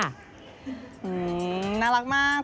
อืมน่ารักมาก